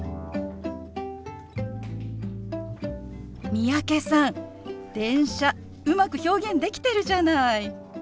三宅さん「電車」うまく表現できてるじゃない。